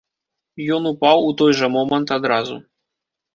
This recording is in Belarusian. Ён упаў у той жа момант адразу.